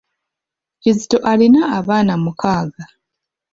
Kizito alina abaana mukaaga.